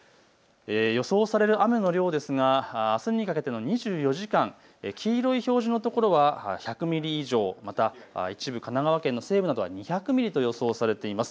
予想される雨の量ですがあすにかけての２４時間、黄色い表示の所は１００ミリ以上、また、一部神奈川県の西部などは２００ミリと予想されています。